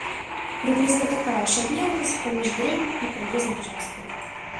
Прыблізна такая ж адлегласць паміж дрэвам і праезнай часткай.